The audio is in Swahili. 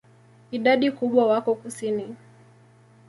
Idadi kubwa wako kusini.